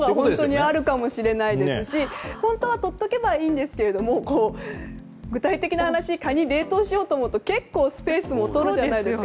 あるかもしれないですし本当は取っておけばいいんですが具体的な話、カニを冷凍するにもスペースもとるじゃないですか。